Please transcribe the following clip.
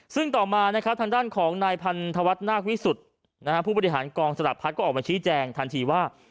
ซึ่งต่อมานะครับทางด้านของนายพันธวัฒนนาควิสุทธิ์ผู้บริหารกองสลักพัดก็ออกมาชี้แจงทันทีว่า